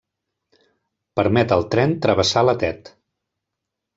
Permet al tren travessar la Tet.